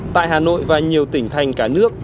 tại hà nội và nhiều tỉnh thành cả nước